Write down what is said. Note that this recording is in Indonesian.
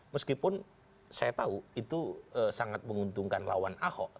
meskipun saya tahu itu sangat menguntungkan lawan ahok